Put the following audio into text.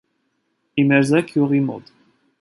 Իմերզեկ գյուղի մոտ։